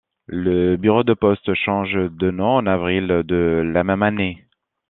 Le bureau de poste change de nom en avril de la même année.